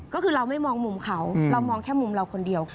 ก็คือเราไม่มองมุมเขาเรามองแค่มุมเราคนเดียว